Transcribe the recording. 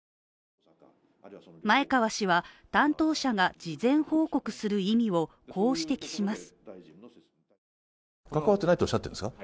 前川氏は担当者が事前報告する意味をこう指摘します。